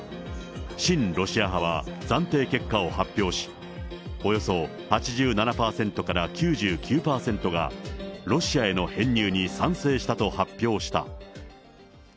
親ロシア派は暫定結果を発表し、およそ８７％から９９％が、ロシアへの編入に賛成したと発表した。